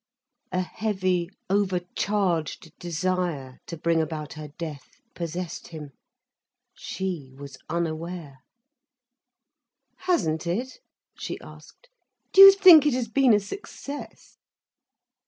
A heavy, overcharged desire to bring about her death possessed him. She was unaware. "Hasn't it?" she asked. "Do you think it has been a success?"